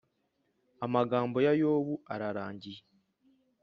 Amagambo ya yobu ararangiye